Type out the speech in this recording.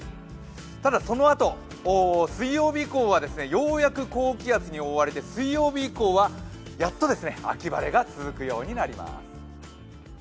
ただ、そのあと、水曜日以降はようやく高気圧に覆われて水曜日以降はやっと秋晴れが続くようになります。